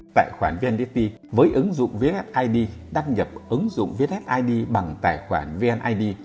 tài khoản vndp với ứng dụng vthid đăng nhập ứng dụng vthid bằng tài khoản vnid